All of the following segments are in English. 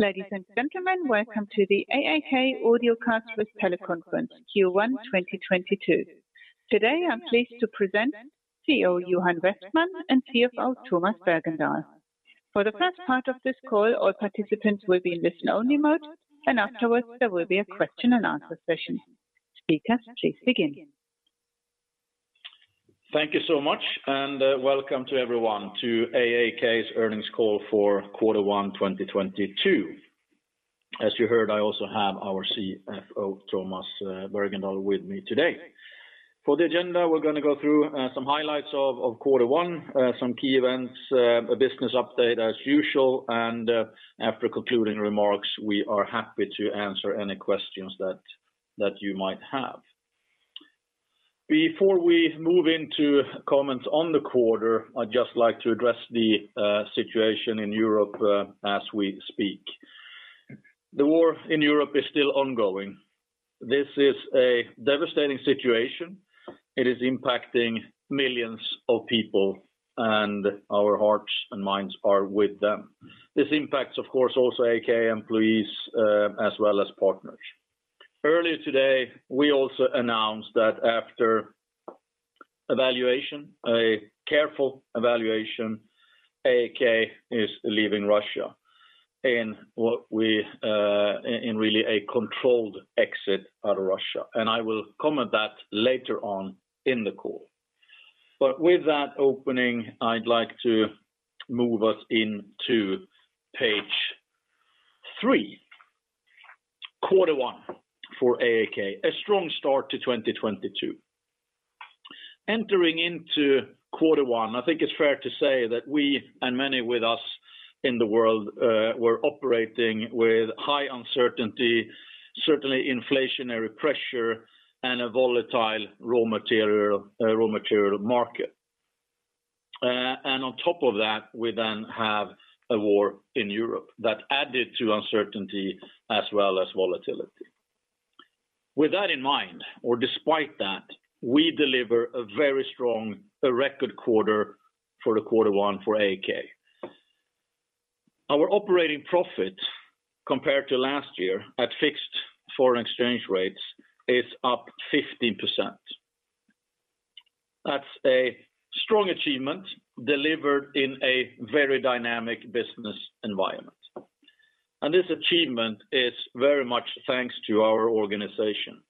Ladies and gentlemen, welcome to the AAK Audio Conference Call Q1 2022. Today, I'm pleased to present CEO Johan Westman and CFO Tomas Bergendahl. For the first part of this call, all participants will be in listen-only mode, and afterwards there will be a question and answer session. Speakers, please begin. Thank you so much, and welcome to everyone to AAK's Earnings Call for quarter one 2022. As you heard, I also have our CFO, Tomas Bergendahl with me today. For the agenda, we're gonna go through some highlights of quarter one, some key events, a business update as usual, and after concluding remarks, we are happy to answer any questions that you might have. Before we move into comments on the quarter, I'd just like to address the situation in Europe as we speak. The war in Europe is still ongoing. This is a devastating situation. It is impacting millions of people, and our hearts and minds are with them. This impacts, of course, also AAK employees as well as partners. Earlier today, we also announced that after evaluation, a careful evaluation, AAK is leaving Russia in what we in really a controlled exit out of Russia. I will comment that later on in the call. With that opening, I'd like to move us into page three, quarter one for AAK, a strong start to 2022. Entering into quarter one, I think it's fair to say that we, and many with us in the world, were operating with high uncertainty, certainly inflationary pressure and a volatile raw material market. And on top of that, we then have a war in Europe that added to uncertainty as well as volatility. With that in mind, or despite that, we deliver a very strong record quarter for the quarter one for AAK. Our operating profit compared to last year at fixed foreign exchange rates is up 15%. That's a strong achievement delivered in a very dynamic business environment. This achievement is very much thanks to our organization,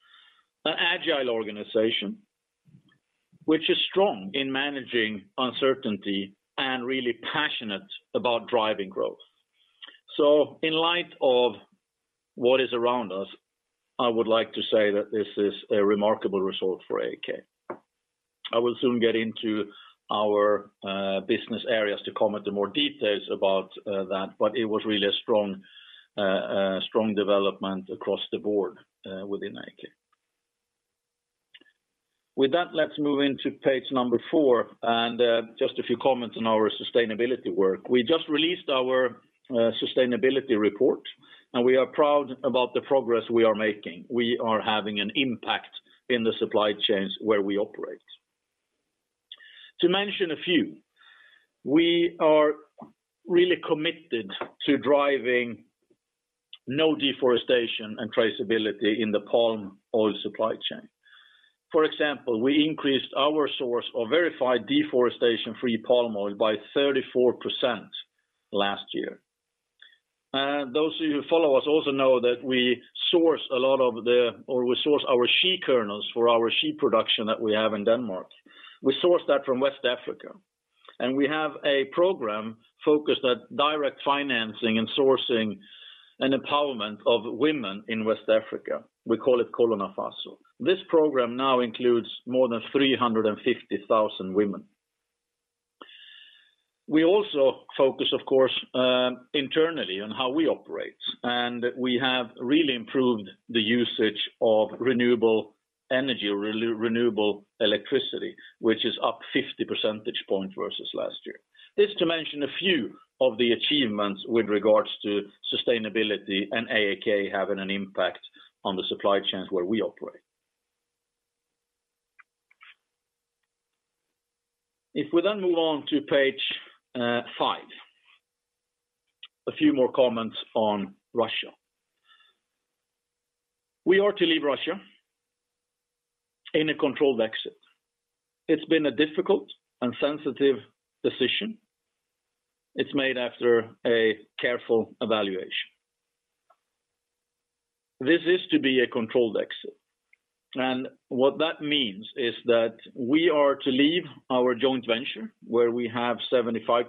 an agile organization which is strong in managing uncertainty and really passionate about driving growth. In light of what is around us, I would like to say that this is a remarkable result for AAK. I will soon get into our business areas to comment on more details about that, but it was really a strong development across the board within AAK. With that, let's move into page four and just a few comments on our sustainability work. We just released our sustainability report, and we are proud about the progress we are making. We are having an impact in the supply chains where we operate. To mention a few, we are really committed to driving no deforestation and traceability in the palm oil supply chain. For example, we increased our source of verified deforestation-free palm oil by 34% last year. Those of you who follow us also know that, or we source our shea kernels for our shea production that we have in Denmark. We source that from West Africa. We have a program focused at direct financing and sourcing and empowerment of women in West Africa. We call it Kolo Nafaso. This program now includes more than 350,000 women. We also focus, of course, internally on how we operate, and we have really improved the usage of renewable energy or renewable electricity, which is up 50 percentage points versus last year. This, to mention a few of the achievements with regards to sustainability and AAK having an impact on the supply chains where we operate. If we move on to page five, a few more comments on Russia. We are to leave Russia in a controlled exit. It's been a difficult and sensitive decision. It's made after a careful evaluation. This is to be a controlled exit, and what that means is that we are to leave our joint venture where we have 75%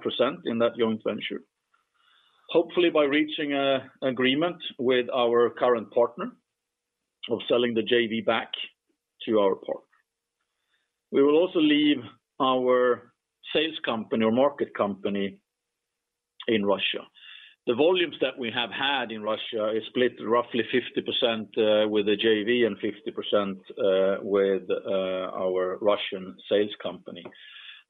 in that joint venture, hopefully by reaching an agreement with our current partner of selling the JV back to our partner. We will also leave our sales company or market company in Russia. The volumes that we have had in Russia is split roughly 50%, with the JV and 50%, with our Russian sales company.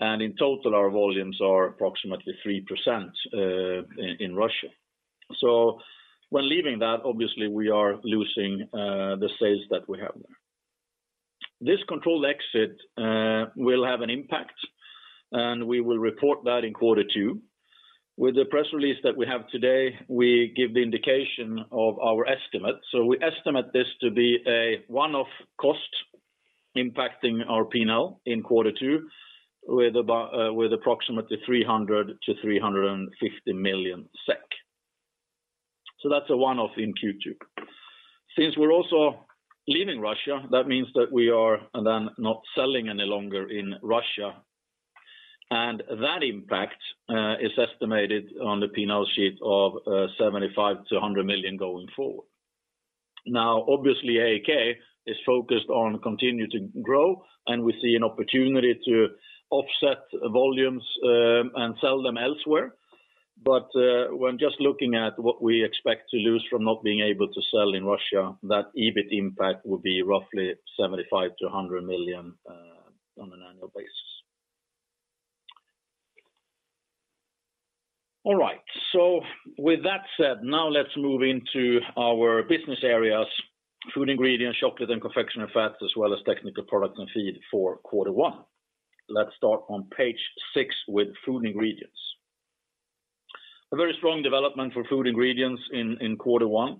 In total, our volumes are approximately 3% in Russia. When leaving that, obviously we are losing the sales that we have there. This controlled exit will have an impact, and we will report that in quarter two. With the press release that we have today, we give the indication of our estimate. We estimate this to be a one-off cost impacting our P&L in quarter two with approximately 300-350 million SEK. That's a one-off in Q2. Since we're also leaving Russia, that means that we are then not selling any longer in Russia. That impact is estimated on the P&L sheet of 75 million-100 million going forward. Now, obviously, AAK is focused on continuing to grow, and we see an opportunity to offset volumes and sell them elsewhere. When just looking at what we expect to lose from not being able to sell in Russia, that EBIT impact will be roughly 75 million-100 million on an annual basis. All right. With that said, now let's move into our business areas, Food Ingredients, Chocolate and Confectionery Fats, as well as Technical Products and Feed for quarter one. Let's start on page 6 with Food Ingredients. A very strong development for Food Ingredients in quarter one.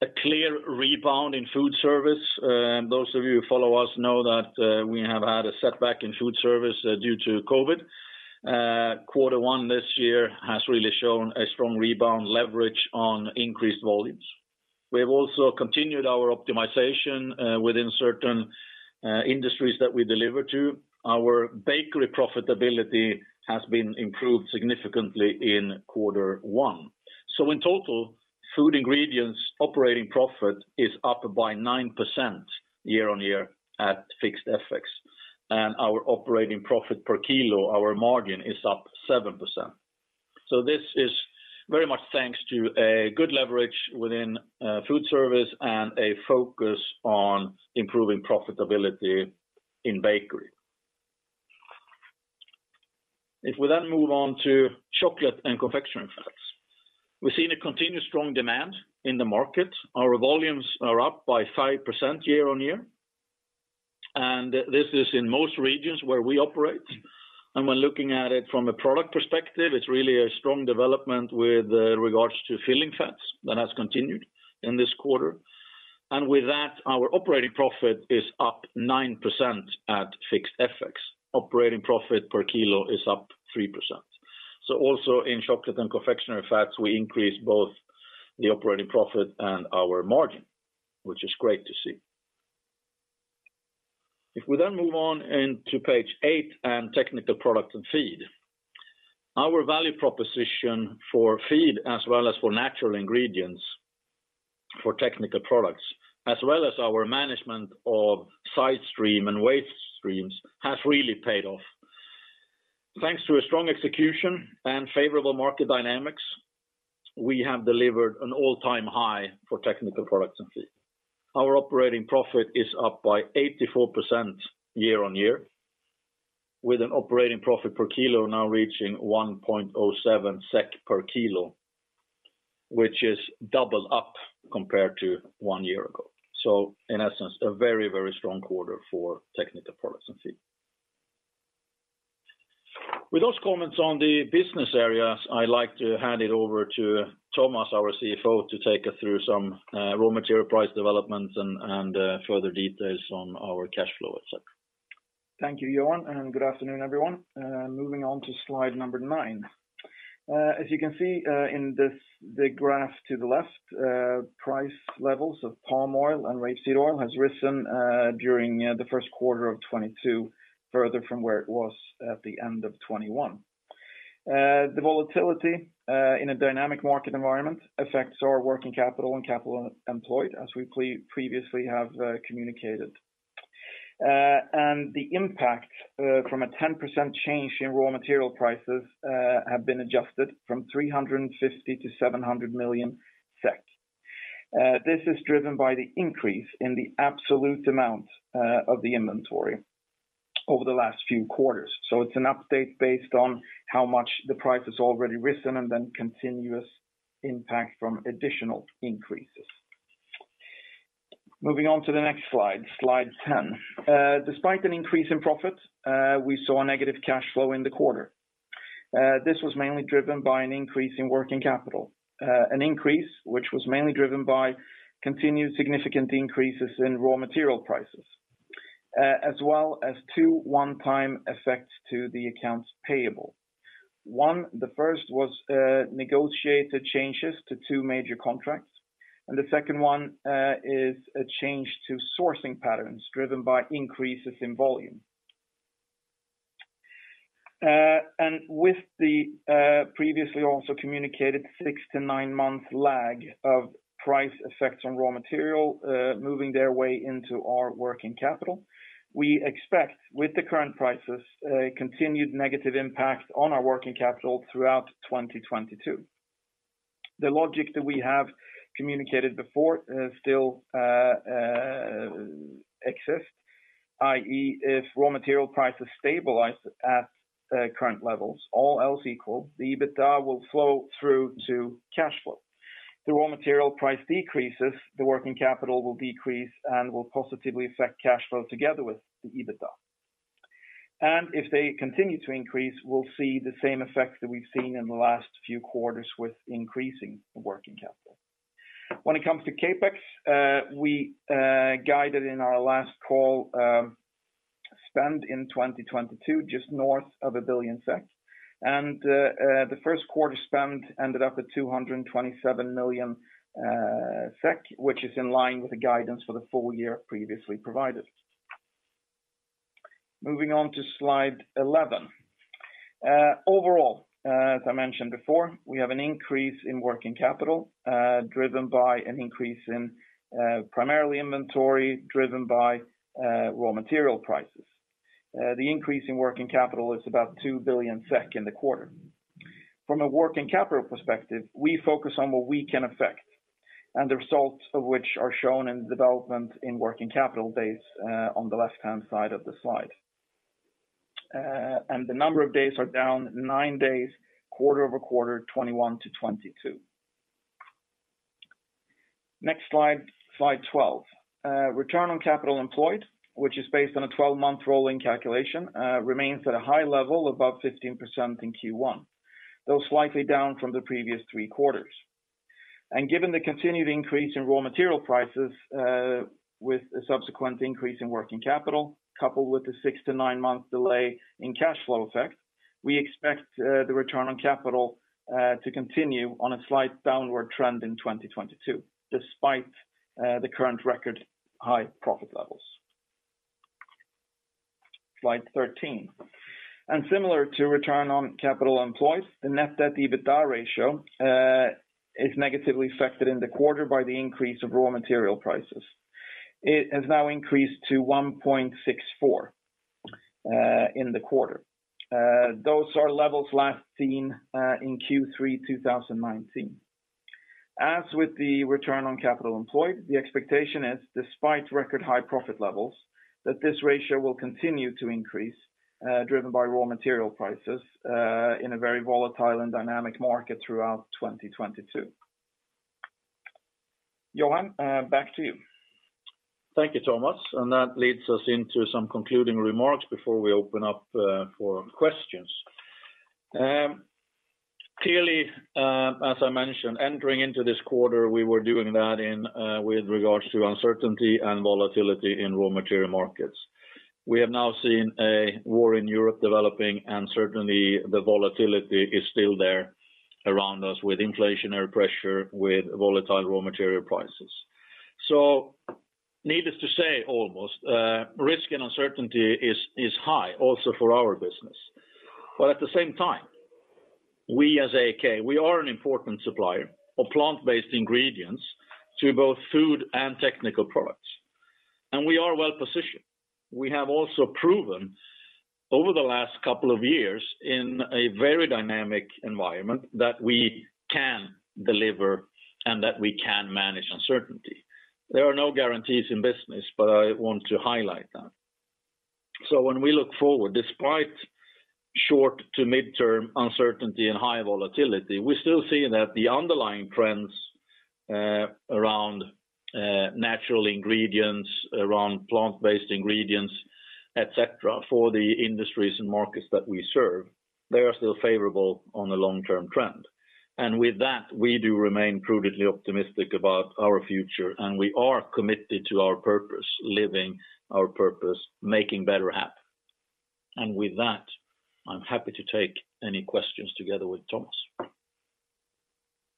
A clear rebound in food service. Those of you who follow us know that we have had a setback in food service due to COVID. Quarter one this year has really shown a strong rebound leverage on increased volumes. We have also continued our optimization within certain industries that we deliver to. Our bakery profitability has been improved significantly in quarter one. In total, Food Ingredients operating profit is up by 9% year-on-year at fixed FX. Our operating profit per kilo, our margin, is up 7%. This is very much thanks to a good leverage within food service and a focus on improving profitability in bakery. If we then move on to Chocolate and Confectionery Fats. We're seeing a continued strong demand in the market. Our volumes are up by 5% year-on-year, and this is in most regions where we operate. When looking at it from a product perspective, it's really a strong development with regards to filling fats that has continued in this quarter. With that, our operating profit is up 9% at fixed FX. Operating profit per kilo is up 3%. Also in chocolate and confectionery fats, we increase both the operating profit and our margin, which is great to see. If we move on into page 8 and technical products and feed. Our value proposition for feed as well as for natural ingredients for technical products, as well as our management of side stream and waste streams has really paid off. Thanks to a strong execution and favorable market dynamics, we have delivered an all-time high for technical products and feed. Our operating profit is up by 84% year on year, with an operating profit per kilo now reaching 1.07 SEK per kilo, which is double up compared to one year ago. In essence, a very, very strong quarter for Technical Products and Feed. With those comments on the business areas, I'd like to hand it over to Tomas, our CFO, to take us through some raw material price developments and further details on our cash flow, et cetera. Thank you, Johan, and good afternoon, everyone. Moving on to slide number nine. As you can see, in this, the graph to the left, price levels of palm oil and rapeseed oil has risen during the first quarter of 2022, further from where it was at the end of 2021. The volatility in a dynamic market environment affects our working capital and capital employed, as we previously have communicated. The impact from a 10% change in raw material prices have been adjusted from 350 million to 700 million SEK. This is driven by the increase in the absolute amount of the inventory over the last few quarters. It's an update based on how much the price has already risen and then continuous impact from additional increases. Moving on to the next slide 10. Despite an increase in profit, we saw a negative cash flow in the quarter. This was mainly driven by an increase in working capital. An increase which was mainly driven by continued significant increases in raw material prices, as well as two one-time effects to the accounts payable. One, the first was, negotiated changes to two major contracts, and the second one, is a change to sourcing patterns driven by increases in volume. With the previously also communicated 6- to 9-month lag of price effects on raw material, moving their way into our working capital, we expect with the current prices a continued negative impact on our working capital throughout 2022. The logic that we have communicated before, still exists, i.e., if raw material prices stabilize at current levels, all else equal, the EBITDA will flow through to cash flow. The raw material price decreases, the working capital will decrease and will positively affect cash flow together with the EBITDA. If they continue to increase, we'll see the same effects that we've seen in the last few quarters with increasing working capital. When it comes to CapEx, we guided in our last call, spend in 2022 just north of 1 billion SEK. The first quarter spend ended up at 227 million SEK, which is in line with the guidance for the full year previously provided. Moving on to slide 11. Overall, as I mentioned before, we have an increase in working capital, driven by an increase in, primarily inventory driven by, raw material prices. The increase in working capital is about 2 billion SEK in the quarter. From a working capital perspective, we focus on what we can affect, and the results of which are shown in the development in working capital days, on the left-hand side of the slide. And the number of days are down 9 days quarter-over-quarter 2021 to 2022. Next slide 12. Return on capital employed, which is based on a 12-month rolling calculation, remains at a high level above 15% in Q1, though slightly down from the previous 3 quarters. Given the continued increase in raw material prices, with a subsequent increase in working capital, coupled with the 6- to 9-month delay in cash flow effect, we expect the return on capital to continue on a slight downward trend in 2022, despite the current record high profit levels. Slide 13. Similar to return on capital employed, the net debt to EBITDA ratio is negatively affected in the quarter by the increase of raw material prices. It has now increased to 1.64 in the quarter. Those are levels last seen in Q3 2019. As with the return on capital employed, the expectation is despite record high profit levels, that this ratio will continue to increase, driven by raw material prices, in a very volatile and dynamic market throughout 2022. Johan, back to you. Thank you, Tomas. That leads us into some concluding remarks before we open up, for questions. Clearly, as I mentioned, entering into this quarter, we were doing that in, with regards to uncertainty and volatility in raw material markets. We have now seen a war in Europe developing, and certainly the volatility is still there around us with inflationary pressure, with volatile raw material prices. Needless to say, almost, risk and uncertainty is high also for our business. But at the same time, we as AAK, we are an important supplier of plant-based ingredients to both food and technical products, and we are well-positioned. We have also proven over the last couple of years in a very dynamic environment that we can deliver and that we can manage uncertainty. There are no guarantees in business, but I want to highlight that. When we look forward, despite short to mid-term uncertainty and high volatility, we still see that the underlying trends around natural ingredients, around plant-based ingredients, et cetera, for the industries and markets that we serve, they are still favorable on a long-term trend. With that, we do remain prudently optimistic about our future, and we are committed to our purpose, living our purpose, making better happen. With that, I'm happy to take any questions together with Tomas.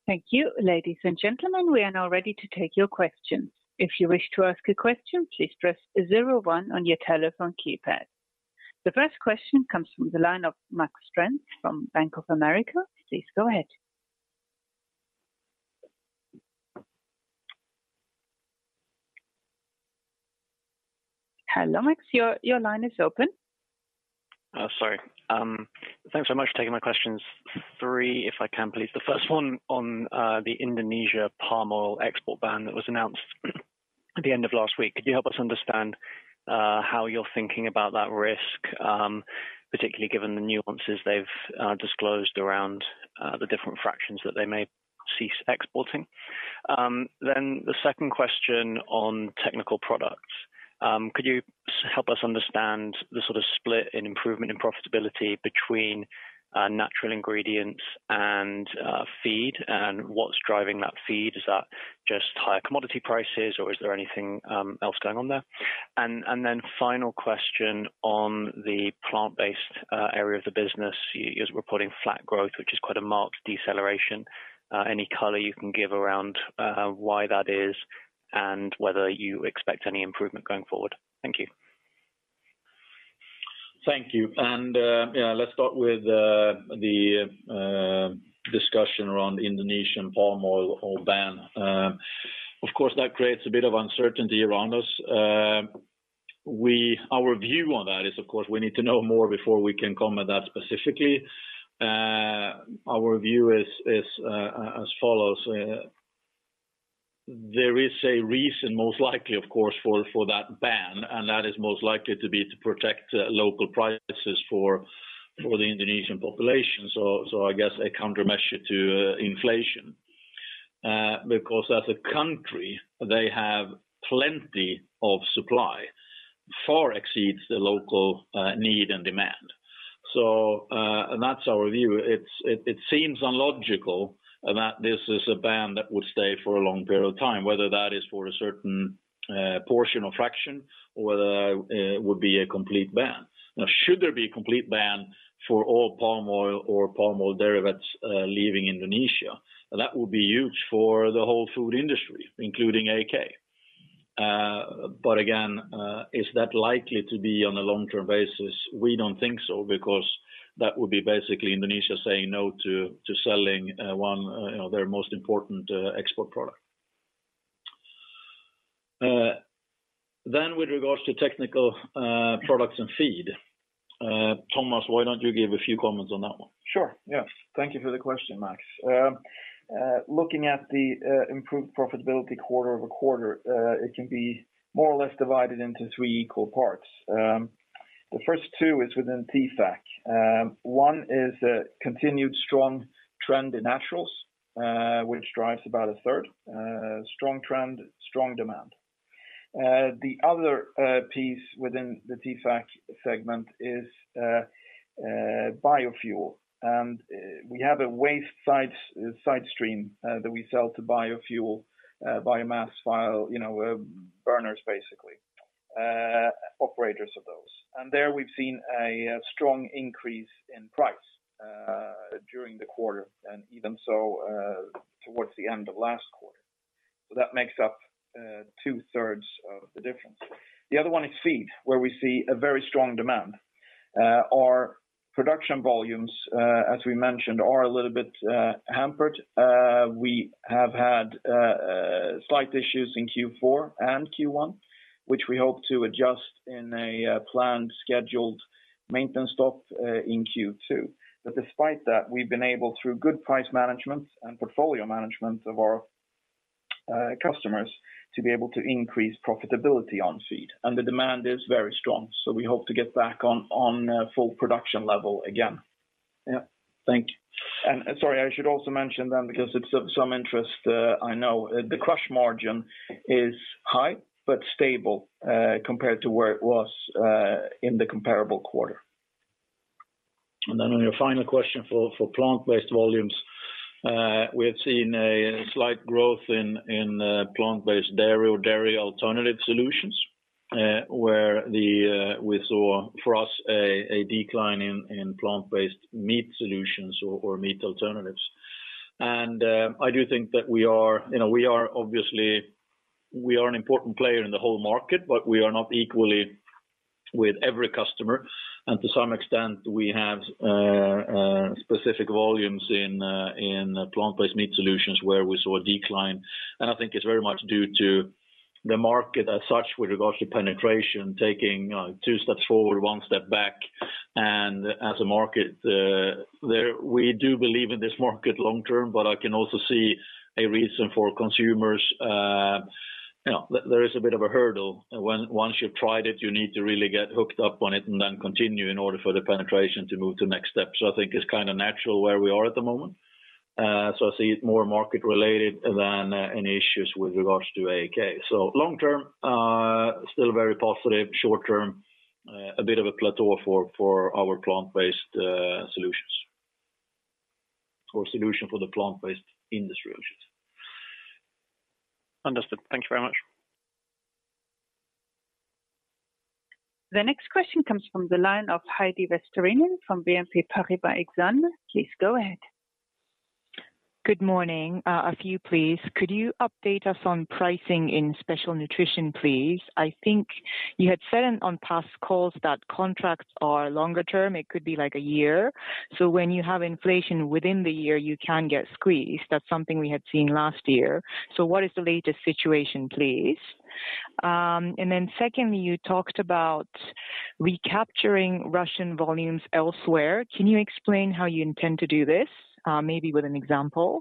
Thank you. Ladies and gentlemen, we are now ready to take your questions. If you wish to ask a question, please press zero one on your telephone keypad. The first question comes from the line of Max Steen from Bank of America. Please go ahead. Hello, Max. Your line is open. Sorry. Thanks so much for taking my questions. Three, if I can please. The first one on the Indonesia palm oil export ban that was announced at the end of last week. Could you help us understand how you're thinking about that risk, particularly given the nuances they've disclosed around the different fractions that they may cease exporting? The second question on technical products. Could you help us understand the sort of split in improvement in profitability between natural ingredients and feed, and what's driving that feed? Is that just higher commodity prices, or is there anything else going on there? Final question on the plant-based area of the business. You're reporting flat growth, which is quite a marked deceleration. Any color you can give around why that is and whether you expect any improvement going forward? Thank you. Thank you. Yeah, let's start with the discussion around the Indonesian palm oil ban. Of course, that creates a bit of uncertainty around us. Our view on that is, of course, we need to know more before we can comment that specifically. Our view is as follows. There is a reason most likely, of course, for that ban, and that is most likely to be to protect local prices for the Indonesian population. I guess a countermeasure to inflation. Because as a country, they have plenty of supply, far exceeds the local need and demand. That's our view. It seems illogical that this is a ban that would stay for a long period of time, whether that is for a certain portion or fraction or whether it would be a complete ban. Now should there be a complete ban for all palm oil or palm oil derivatives leaving Indonesia, that will be huge for the whole food industry, including AAK. But again, is that likely to be on a long-term basis? We don't think so because that would be basically Indonesia saying no to selling one, you know, their most important export product. With regards to Technical Products and Feed, Tomas, why don't you give a few comments on that one? Sure. Yes. Thank you for the question, Max. Looking at the improved profitability quarter-over-quarter, it can be more or less divided into three equal parts. The first two is within TP&F. One is a continued strong trend in naturals, which drives about a third, strong trend, strong demand. The other piece within the TP&F segment is Biofuel. We have a waste side stream that we sell to biofuel biomass fuel, you know, burners, basically, operators of those. There we've seen a strong increase in price during the quarter and even so towards the end of last quarter. That makes up two-thirds of the difference. The other one is feed, where we see a very strong demand. Our production volumes, as we mentioned, are a little bit hampered. We have had slight issues in Q4 and Q1, which we hope to adjust in a planned scheduled maintenance stop in Q2. Despite that, we've been able, through good price management and portfolio management of our customers, to be able to increase profitability on feed. The demand is very strong, so we hope to get back on full production level again. Yeah. Thank you. Sorry, I should also mention then because it's of some interest, I know the crush margin is high but stable, compared to where it was in the comparable quarter. On your final question for plant-based volumes, we have seen a slight growth in plant-based dairy or dairy alternative solutions, where we saw for us a decline in plant-based meat solutions or meat alternatives. I do think that we are, you know, obviously an important player in the whole market, but we are not equally with every customer. To some extent, we have specific volumes in plant-based meat solutions where we saw a decline. I think it's very much due to the market as such with regards to penetration, taking two steps forward, one step back. As a market, we do believe in this market long term, but I can also see a reason for consumers, you know, there is a bit of a hurdle when once you've tried it, you need to really get hooked up on it and then continue in order for the penetration to move to the next step. I think it's kinda natural where we are at the moment. I see it more market related than any issues with regards to AAK. Long term, still very positive. Short term, a bit of a plateau for our plant-based solutions for the plant-based industry solutions. Understood. Thank you very much. The next question comes from the line of Heidi Vesterinen from BNP Paribas Exane. Please go ahead. Good morning. A few, please. Could you update us on pricing in Special Nutrition, please? I think you had said on past calls that contracts are longer term, it could be like a year. When you have inflation within the year, you can get squeezed. That's something we had seen last year. What is the latest situation, please? Secondly, you talked about recapturing Russian volumes elsewhere. Can you explain how you intend to do this, maybe with an example?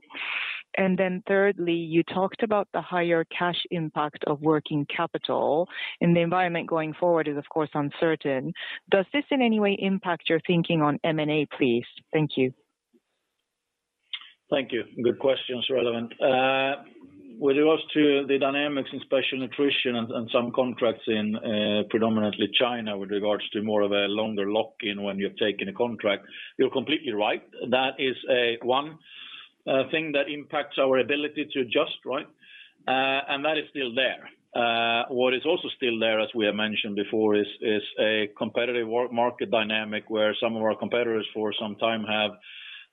Thirdly, you talked about the higher cash impact of working capital, and the environment going forward is of course uncertain. Does this in any way impact your thinking on M&A, please? Thank you. Thank you. Good questions, relevant. With regards to the dynamics in Special Nutrition and some contracts in predominantly China with regards to more of a longer lock-in when you're taking a contract, you're completely right. That is one thing that impacts our ability to adjust, right? That is still there. What is also still there, as we have mentioned before, is a competitive work market dynamic where some of our competitors for some time have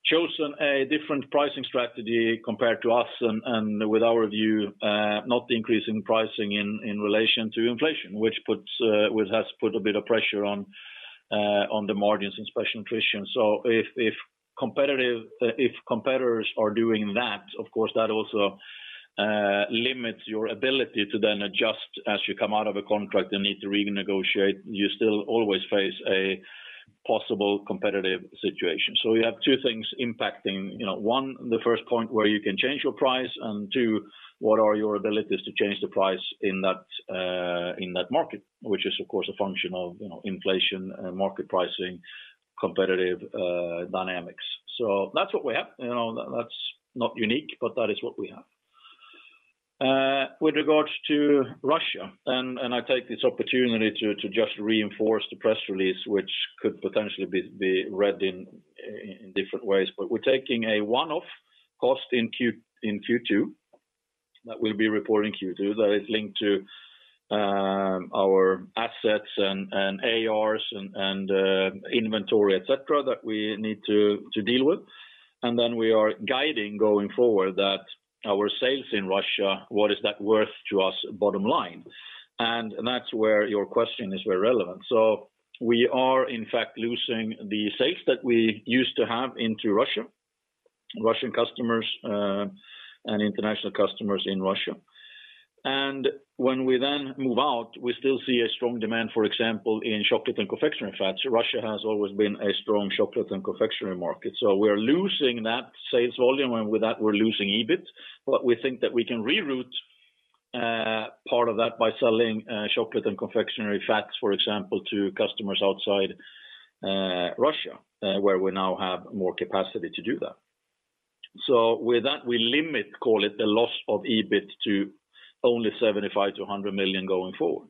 chosen a different pricing strategy compared to us and with our view not increasing pricing in relation to inflation, which has put a bit of pressure on the margins in Special Nutrition. If competitors are doing that, of course, that also limits your ability to then adjust as you come out of a contract and need to renegotiate. You still always face a possible competitive situation. We have two things impacting, you know. One, the first point where you can change your price and two, what are your abilities to change the price in that market, which is of course, a function of, you know, inflation and market pricing, competitive dynamics. That's what we have, you know, that's not unique, but that is what we have. With regards to Russia and I take this opportunity to just reinforce the press release, which could potentially be read in different ways. We're taking a one-off cost in Q2 that we'll be reporting in Q2 that is linked to our assets and ARs and inventory, et cetera, that we need to deal with. Then we are guiding going forward that our sales in Russia, what is that worth to us bottom line? That's where your question is very relevant. We are in fact losing the sales that we used to have into Russia, Russian customers, and international customers in Russia. When we then move out, we still see a strong demand, for example, in chocolate and confectionery fats. Russia has always been a strong chocolate and confectionery market. We're losing that sales volume, and with that we're losing EBIT. We think that we can reroute part of that by selling chocolate and confectionery fats, for example, to customers outside Russia where we now have more capacity to do that. With that, we limit, call it the loss of EBIT to only 75 million-100 million going forward.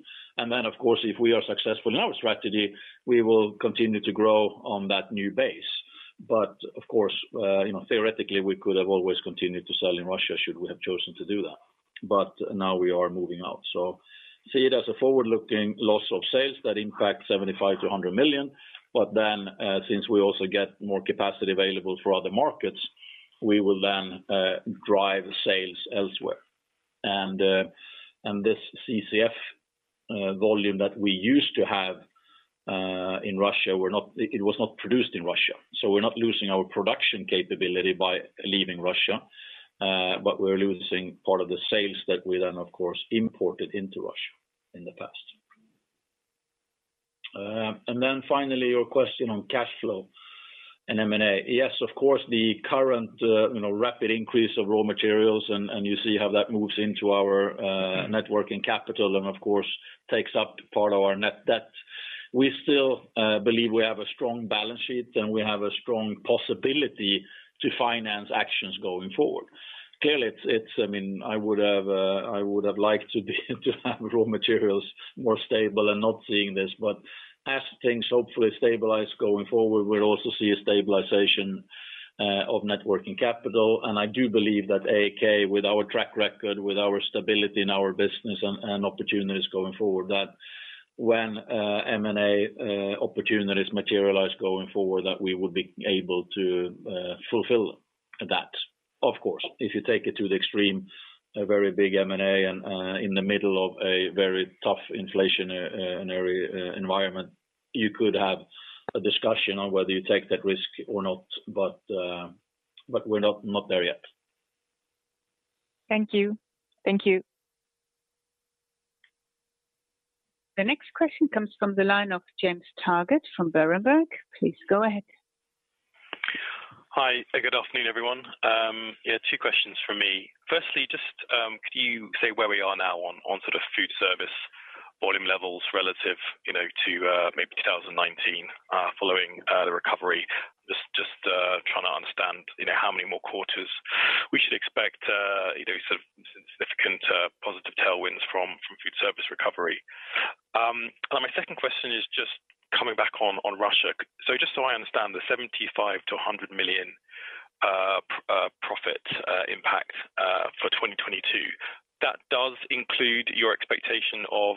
Of course, if we are successful in our strategy, we will continue to grow on that new base. Of course, you know, theoretically, we could have always continued to sell in Russia should we have chosen to do that. Now we are moving out. See it as a forward-looking loss of sales that impact 75 million-100 million. Since we also get more capacity available for other markets, we will then drive sales elsewhere. This C&CF volume that we used to have in Russia was not produced in Russia. We're not losing our production capability by leaving Russia, but we're losing part of the sales that we then of course imported into Russia in the past. Finally, your question on cash flow and M&A. Yes, of course, the current you know rapid increase of raw materials and you see how that moves into our working capital and of course takes up part of our net debt. We still believe we have a strong balance sheet and we have a strong possibility to finance actions going forward. Clearly, it's I mean, I would've liked to have raw materials more stable and not seeing this, but as things hopefully stabilize going forward, we'll also see a stabilization of net working capital. I do believe that AAK with our track record, with our stability in our business and opportunities going forward, that when M&A opportunities materialize going forward, that we would be able to fulfill that. Of course, if you take it to the extreme, a very big M&A in the middle of a very tough inflationary environment, you could have a discussion on whether you take that risk or not. We're not there yet. Thank you. Thank you. The next question comes from the line of James Target from Berenberg. Please go ahead. Hi. Good afternoon, everyone. Yeah, two questions from me. Firstly, just could you say where we are now on sort of food service volume levels relative, you know, to maybe 2019, following the recovery? Just trying to understand, you know, how many more quarters we should expect, you know, sort of significant positive tailwinds from food service recovery. My second question is just coming back on Russia. Just so I understand the 75-100 million profit impact for 2022, that does include your expectation of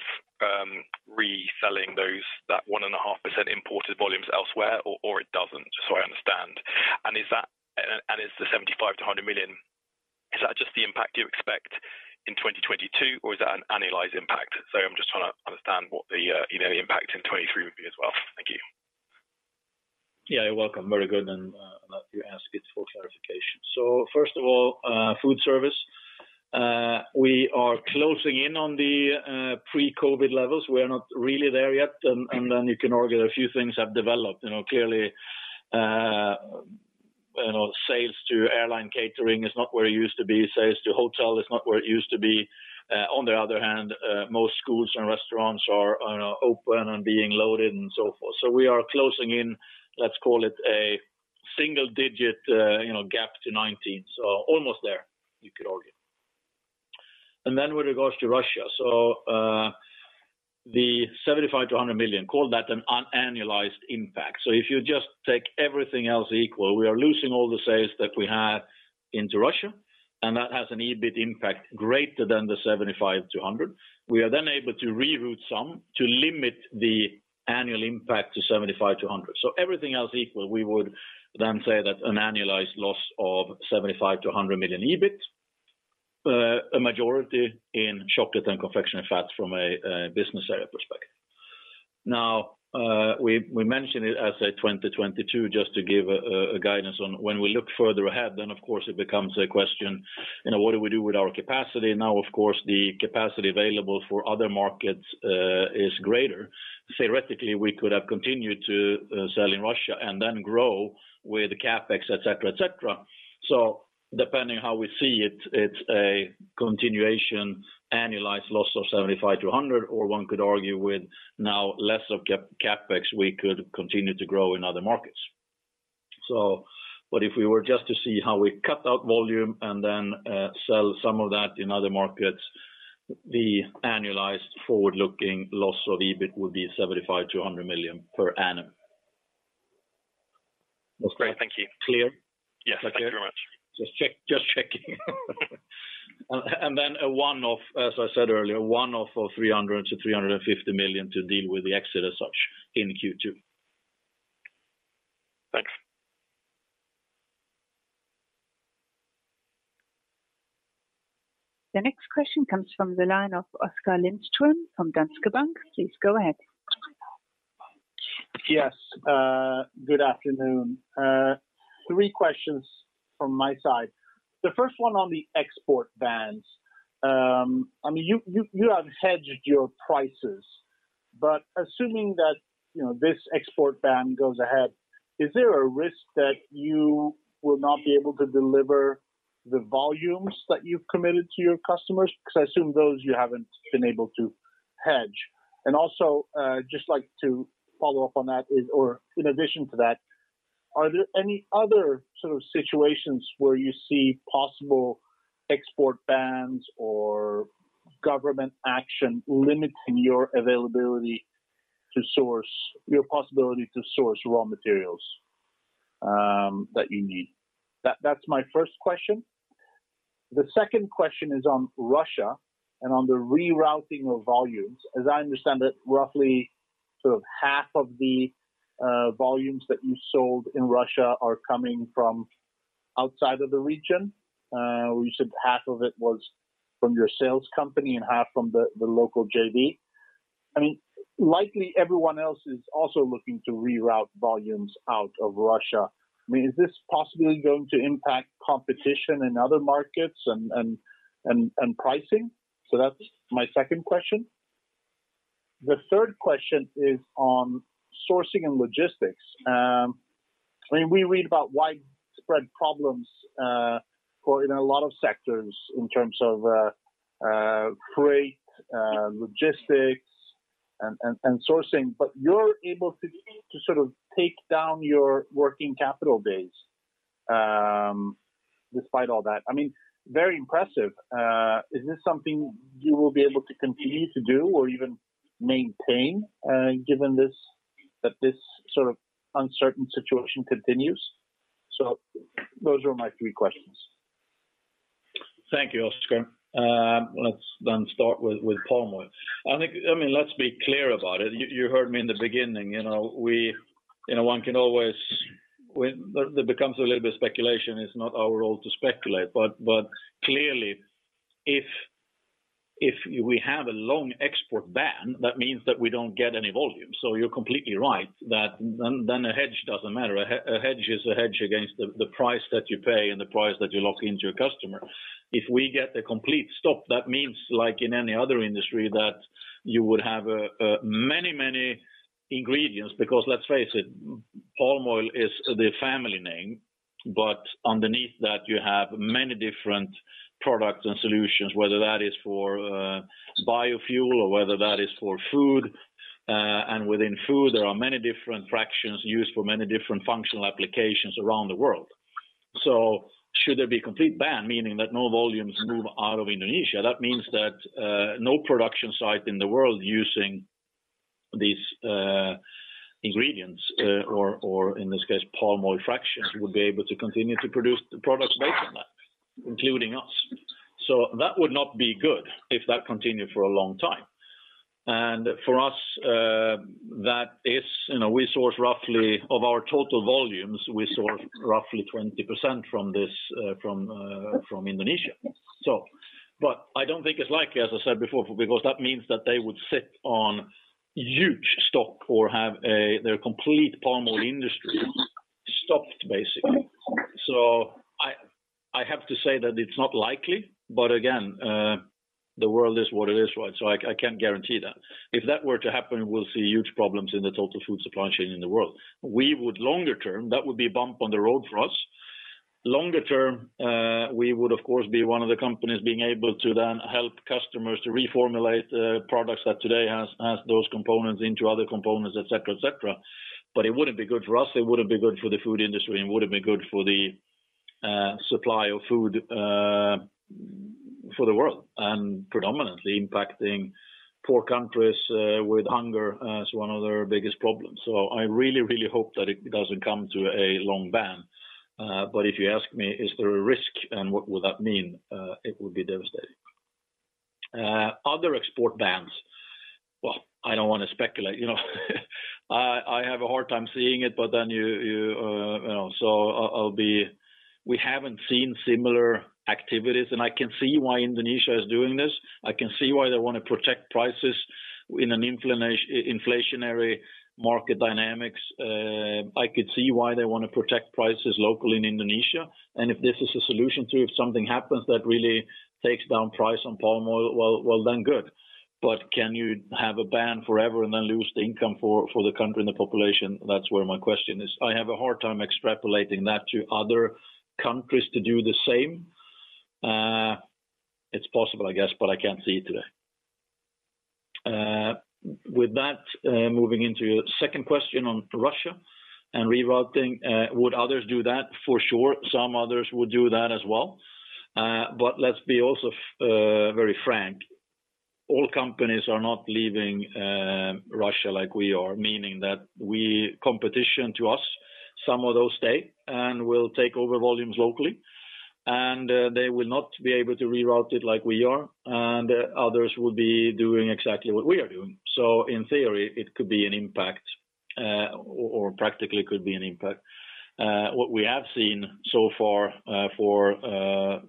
reselling those 1.5% imported volumes elsewhere, or it doesn't? Just so I understand. Is that the 75 million-100 million, is that just the impact you expect in 2022, or is that an annualized impact? Sorry, I'm just trying to understand what the impact in 2023 would be as well. Thank you. Yeah, you're welcome. Very good. You ask it for clarification. First of all, food service. We are closing in on the pre-COVID levels. We are not really there yet. Then you can argue a few things have developed. You know, clearly, you know, sales to airline catering is not where it used to be. Sales to hotel is not where it used to be. On the other hand, most schools and restaurants are, you know, open and being loaded and so forth. We are closing in, let's call it a single digit, you know, gap to 2019. Almost there, you could argue. Then with regards to Russia, the 75 million-100 million, call that an annualized impact. If you just take everything else equal, we are losing all the sales that we had into Russia, and that has an EBIT impact greater than 75 million-100 million. We are then able to reroute some to limit the annual impact to 75 million-100 million. Everything else equal, we would then say that an annualized loss of 75 million-100 million EBIT, a majority in Chocolate and Confectionery Fats from a business area perspective. Now, we mentioned it as a 2022 just to give a guidance on when we look further ahead, then of course it becomes a question, what do we do with our capacity? Now, of course, the capacity available for other markets is greater. Theoretically, we could have continued to sell in Russia and then grow with the CapEx, et cetera, et cetera. Depending how we see it's a continuation annualized loss of 75 million-100 million or one could argue with now less of CapEx, we could continue to grow in other markets. If we were just to see how we cut out volume and then sell some of that in other markets, the annualized forward-looking loss of EBIT would be 75 million-100 million per annum. That's great. Thank you. Clear? Yes. Thank you very much. Just checking. A one-off, as I said earlier, a one-off of 300 million-350 million to deal with the exit as such in Q2. Thanks. The next question comes from the line of Oskar Lindström from Danske Bank. Please go ahead. Yes, good afternoon. Three questions from my side. The first one on the export bans. I mean, you have hedged your prices, but assuming that, you know, this export ban goes ahead, is there a risk that you will not be able to deliver the volumes that you've committed to your customers? Because I assume those you haven't been able to hedge. Also, just like to follow up on that, or in addition to that, are there any other sort of situations where you see possible export bans or government action limiting your possibility to source raw materials that you need? That's my first question. The second question is on Russia and on the rerouting of volumes. As I understand it, roughly sort of half of the volumes that you sold in Russia are coming from outside of the region. You said half of it was from your sales company and half from the local JV. I mean, likely everyone else is also looking to reroute volumes out of Russia. I mean, is this possibly going to impact competition in other markets and pricing? That's my second question. The third question is on sourcing and logistics. When we read about widespread problems in a lot of sectors in terms of freight logistics and sourcing, but you're able to to sort of take down your working capital days despite all that. I mean, very impressive. Is this something you will be able to continue to do or even maintain, given that this sort of uncertain situation continues? Those are my three questions. Thank you, Oskar. Let's start with palm oil. I think. I mean, let's be clear about it. You heard me in the beginning. You know, one can always. That becomes a little bit speculation, it's not our role to speculate. Clearly, if we have a long export ban, that means that we don't get any volume. You're completely right that then a hedge doesn't matter. A hedge is a hedge against the price that you pay and the price that you lock into your customer. If we get a complete stop, that means like in any other industry, that you would have, many, many ingredients because let's face it, palm oil is the family name, but underneath that you have many different products and solutions, whether that is for, biofuel or whether that is for food, and within food, there are many different fractions used for many different functional applications around the world. Should there be a complete ban, meaning that no volumes move out of Indonesia, that means that, no production site in the world using these, ingredients, or in this case, palm oil fractions, would be able to continue to produce the products based on that, including us. That would not be good if that continued for a long time. For us, you know, we source roughly 20% of our total volumes from Indonesia. I don't think it's likely, as I said before, because that means that they would sit on huge stock or have their complete palm oil industry stopped basically. I have to say that it's not likely, but again, the world is what it is, right? I can't guarantee that. If that were to happen, we'll see huge problems in the total food supply chain in the world. We would longer term, that would be a bump on the road for us. Longer term, we would of course be one of the companies being able to then help customers to reformulate products that today has those components into other components, et cetera, et cetera. It wouldn't be good for us, it wouldn't be good for the food industry, and it wouldn't be good for the supply of food for the world, and predominantly impacting poor countries with hunger as one of their biggest problems. I really, really hope that it doesn't come to a long ban. If you ask me, is there a risk and what would that mean? It would be devastating. Other export bans. Well, I don't want to speculate, you know. I have a hard time seeing it, but then you know, so I'll be. We haven't seen similar activities, and I can see why Indonesia is doing this. I can see why they want to protect prices in an inflationary market dynamics. I could see why they want to protect prices locally in Indonesia. If this is a solution to if something happens that really takes down price on palm oil, well, then good. Can you have a ban forever and then lose the income for the country and the population? That's where my question is. I have a hard time extrapolating that to other countries to do the same. It's possible, I guess, but I can't see it today. With that, moving into your second question on Russia and rerouting, would others do that? For sure, some others would do that as well. Let's be also very frank. All companies are not leaving Russia like we are. Competition to us, some of those stay, and will take over volumes locally, and they will not be able to reroute it like we are, and others will be doing exactly what we are doing. In theory, it could be an impact, or practically could be an impact. What we have seen so far, for a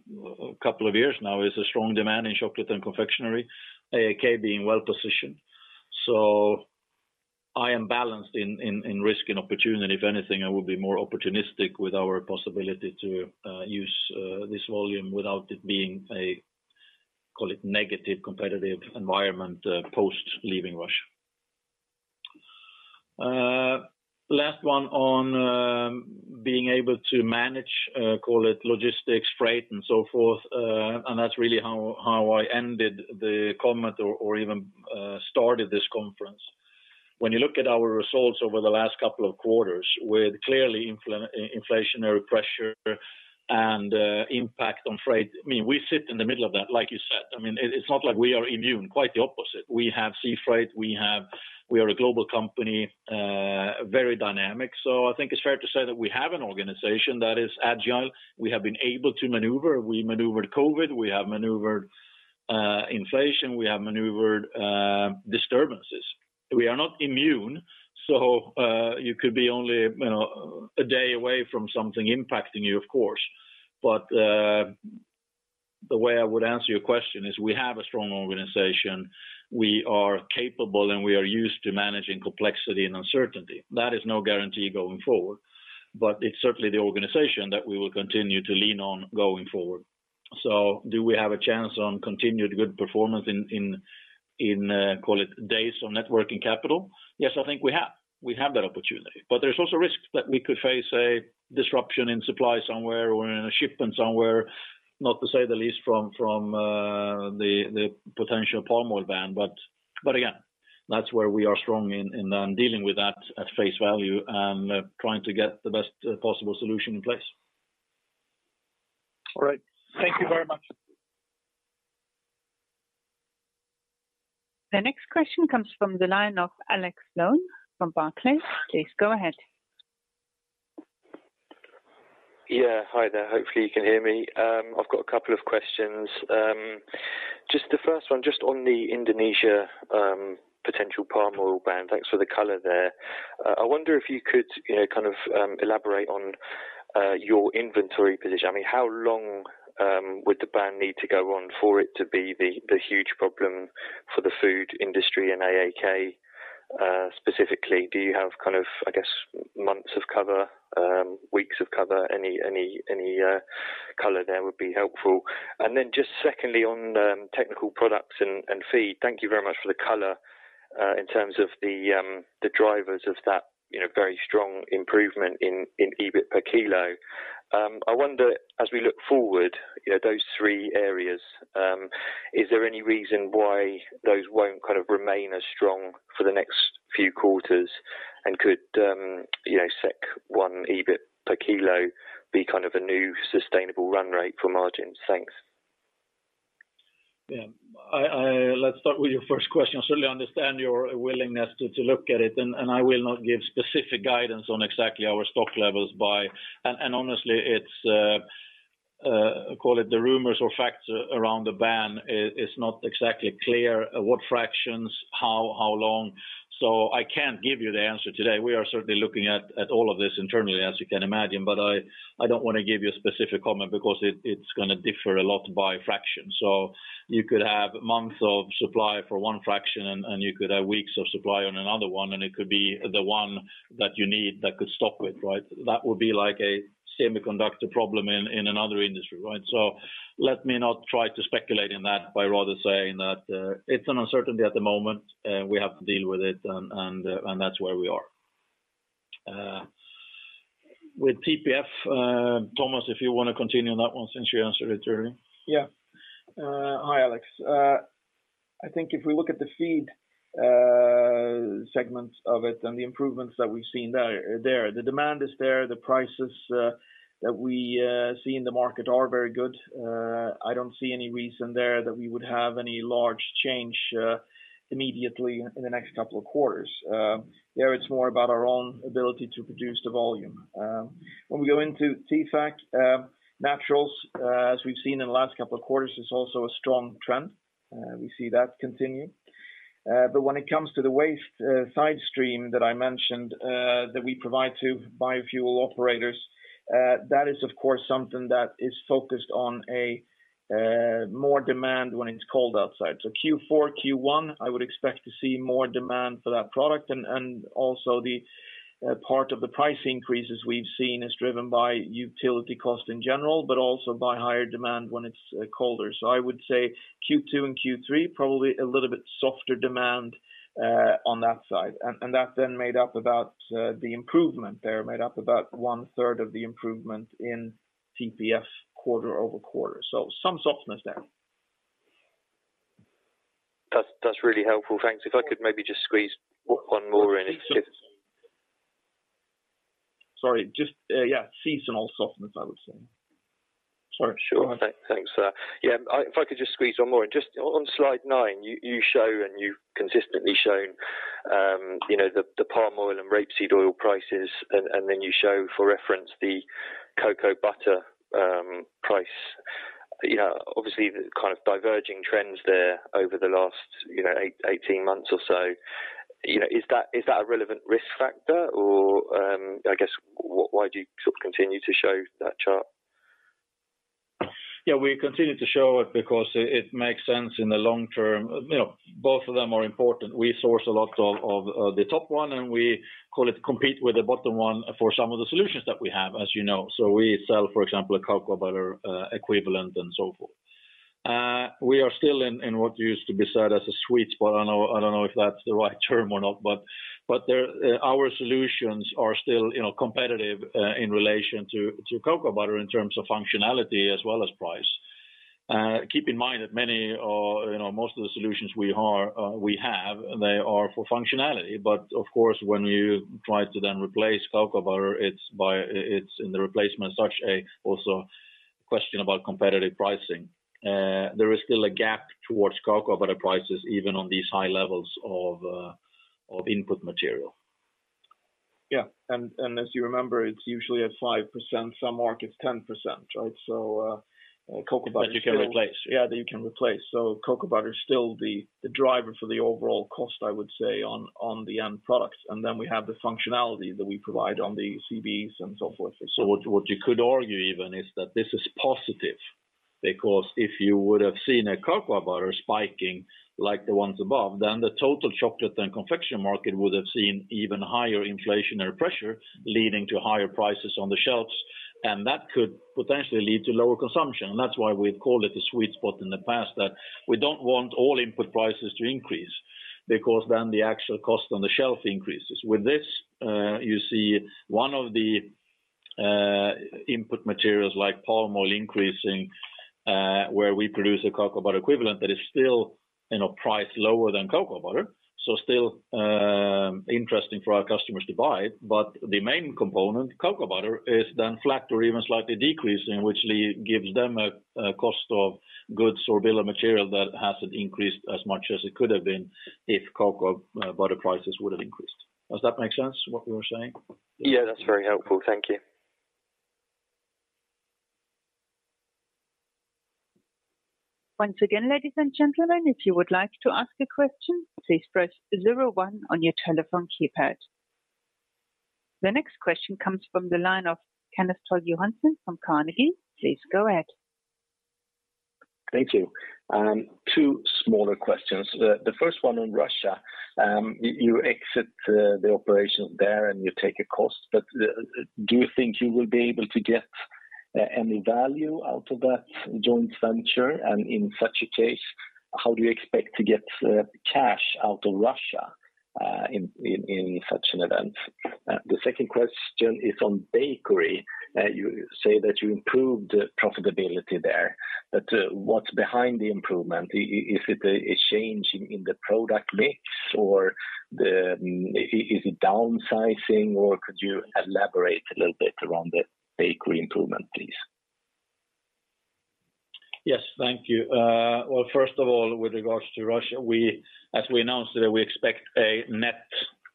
couple of years now is a strong demand in chocolate and confectionery, AAK being well-positioned. I am balanced in risk and opportunity. If anything, I will be more opportunistic with our possibility to use this volume without it being a, call it, negative competitive environment, post leaving Russia. Last one on being able to manage, call it logistics, freight, and so forth, and that's really how I ended the comment or even started this conference. When you look at our results over the last couple of quarters with clearly inflationary pressure and impact on freight, I mean, we sit in the middle of that, like you said. I mean, it's not like we are immune. Quite the opposite. We have sea freight, we are a global company, very dynamic. So I think it's fair to say that we have an organization that is agile. We have been able to maneuver. We maneuvered COVID, we have maneuvered inflation, we have maneuvered disturbances. We are not immune, so you could be only, you know, a day away from something impacting you, of course. The way I would answer your question is we have a strong organization. We are capable, and we are used to managing complexity and uncertainty. That is no guarantee going forward, but it's certainly the organization that we will continue to lean on going forward. Do we have a chance on continued good performance call it days on net working capital? Yes, I think we have. We have that opportunity. There's also risks that we could face a disruption in supply somewhere or in a shipment somewhere, not to say the least from the potential palm oil ban. Again, that's where we are strong in dealing with that at face value and trying to get the best possible solution in place. All right. Thank you very much. The next question comes from the line of Alex Sloan from Barclays. Please go ahead. Yeah. Hi there. Hopefully, you can hear me. I've got a couple of questions. Just the first one, just on the Indonesia potential palm oil ban. Thanks for the color there. I wonder if you could, you know, kind of elaborate on your inventory position. I mean, how long would the ban need to go on for it to be the huge problem for the food industry and AAK specifically? Do you have kind of, I guess, months of cover, weeks of cover? Any color there would be helpful. Just secondly, on Technical Products and Feed. Thank you very much for the color in terms of the drivers of that, you know, very strong improvement in EBIT per kilo. I wonder, as we look forward, you know, those three areas, is there any reason why those won't kind of remain as strong for the next few quarters? Could, you know, 1 EBIT per kilo be kind of a new sustainable run rate for margins? Thanks. Yeah. Let's start with your first question. I certainly understand your willingness to look at it, and I will not give specific guidance on exactly our stock levels. Honestly, it's call it the rumors or facts around the ban is not exactly clear what fractions, how long. I can't give you the answer today. We are certainly looking at all of this internally, as you can imagine, but I don't wanna give you a specific comment because it's gonna differ a lot by fraction. You could have months of supply for one fraction and you could have weeks of supply on another one, and it could be the one that you need that could stop it, right? That would be like a semiconductor problem in another industry, right? Let me not try to speculate in that by rather saying that, it's an uncertainty at the moment, we have to deal with it and that's where we are. With TP&F, Tomas, if you wanna continue on that one since you answered it earlier. Hi, Alex. I think if we look at the feed segments of it and the improvements that we've seen there, the demand is there. The prices that we see in the market are very good. I don't see any reason there that we would have any large change immediately in the next couple of quarters. It's more about our own ability to produce the volume. When we go into TP&F naturals, as we've seen in the last couple of quarters, is also a strong trend. We see that continue. But when it comes to the waste side stream that I mentioned, that we provide to biofuel operators, that is of course something that is focused on more demand when it's cold outside. Q4, Q1, I would expect to see more demand for that product and also the part of the price increases we've seen is driven by utility costs in general, but also by higher demand when it's colder. I would say Q2 and Q3, probably a little bit softer demand on that side. That then made up about one-third of the improvement in TP&F quarter-over-quarter. Some softness there. That's really helpful. Thanks. If I could maybe just squeeze one more in. Sorry. Yeah, seasonal softness, I would say. Sorry. Sure. Thanks, yeah. If I could just squeeze one more. Just on slide 9, you show and you've consistently shown, you know, the palm oil and rapeseed oil prices, and then you show for reference the cocoa butter price. You know, obviously the kind of diverging trends there over the last, you know, 8-18 months or so. You know, is that a relevant risk factor or, I guess why do you sort of continue to show that chart? Yeah, we continue to show it because it makes sense in the long term. You know, both of them are important. We source a lot of the top one, and we compete with the bottom one for some of the solutions that we have, as you know. We sell, for example, a cocoa butter equivalent and so forth. We are still in what used to be said as a sweet spot. I don't know if that's the right term or not, but our solutions are still, you know, competitive in relation to cocoa butter in terms of functionality as well as price. Keep in mind that many, you know, most of the solutions we have, they are for functionality. Of course, when you try to then replace cocoa butter, it's in the replacement as such also a question about competitive pricing. There is still a gap towards cocoa butter prices even on these high levels of input material. As you remember, it's usually at 5%, some markets 10%, right? Cocoa butter- That you can replace. Yeah, that you can replace. Cocoa butter is still the driver for the overall cost, I would say, on the end products. Then we have the functionality that we provide on the CBEs and so forth. What you could argue even is that this is positive because if you would have seen a cocoa butter spiking like the ones above, then the total chocolate and confectionery market would have seen even higher inflationary pressure leading to higher prices on the shelves, and that could potentially lead to lower consumption. That's why we've called it the sweet spot in the past, that we don't want all input prices to increase because then the actual cost on the shelf increases. With this, you see one of the input materials like palm oil increasing, where we produce a cocoa butter equivalent that is still at a price lower than cocoa butter. Still, interesting for our customers to buy it. The main component, cocoa butter, is then flat or even slightly decreasing, which gives them a cost of goods or bill of material that hasn't increased as much as it could have been if cocoa butter prices would have increased. Does that make sense, what we were saying? Yeah, that's very helpful. Thank you. Once again, ladies and gentlemen, if you would like to ask a question, please press zero one on your telephone keypad. The next question comes from the line of Kenneth Toll Johansson from Carnegie. Please go ahead. Thank you. Two smaller questions. The first one on Russia. You exit the operation there, and you take a cost. Do you think you will be able to get any value out of that joint venture? In such a case, how do you expect to get cash out of Russia in such an event? The second question is on bakery. You say that you improved profitability there, but what's behind the improvement? Is it a change in the product mix or the. Is it downsizing, or could you elaborate a little bit around the bakery improvement, please? Yes. Thank you. Well, first of all, with regards to Russia, as we announced today, we expect a net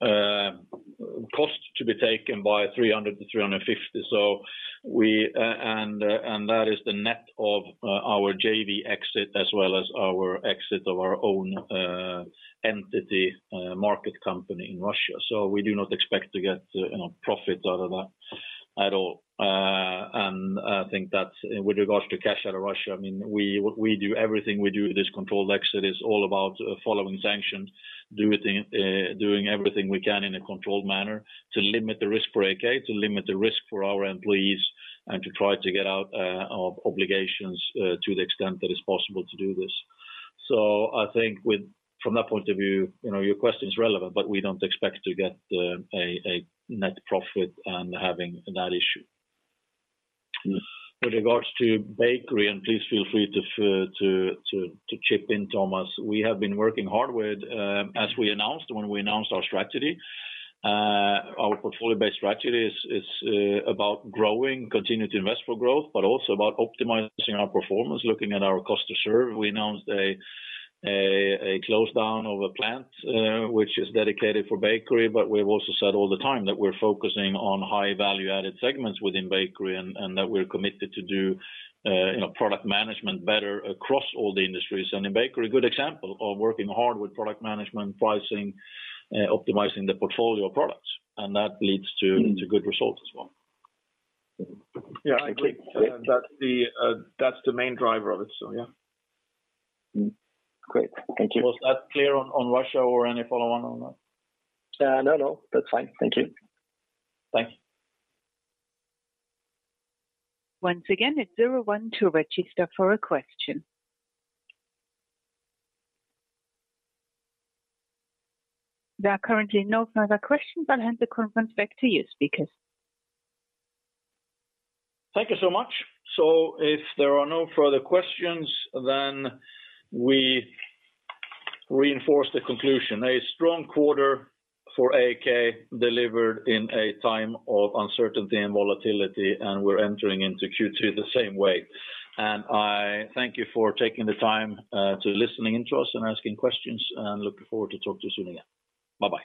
cost to be taken by 300-350. And that is the net of our JV exit as well as our exit of our own entity market company in Russia. We do not expect to get you know profit out of that at all. I think that with regards to cash out of Russia, I mean, we do everything we do with this controlled exit is all about following sanctions, doing everything we can in a controlled manner to limit the risk for AAK, to limit the risk for our employees, and to try to get out of obligations to the extent that it's possible to do this. I think with, from that point of view, you know, your question is relevant, but we don't expect to get a net profit and having that issue. With regards to bakery, please feel free to chip in, Tomas. We have been working hard with, as we announced when we announced our strategy. Our portfolio-based strategy is about growing, continue to invest for growth, but also about optimizing our performance, looking at our cost to serve. We announced a close down of a plant, which is dedicated for bakery, but we've also said all the time that we're focusing on high value-added segments within bakery and that we're committed to do, you know, product management better across all the industries. In bakery, a good example of working hard with product management, pricing, optimizing the portfolio of products, and that leads to good results as well. Yeah, I agree. That's the main driver of it. Yeah. Great. Thank you. Was that clear on Russia or any follow on that? No. That's fine. Thank you. Thanks. Once again, it's 01 to register for a question. There are currently no further questions. I'll hand the conference back to you, speakers. Thank you so much. If there are no further questions, we reinforce the conclusion. A strong quarter for AAK delivered in a time of uncertainty and volatility, and we're entering into Q2 the same way. I thank you for taking the time to listen in to us and asking questions, and looking forward to talking to you soon again. Bye-bye.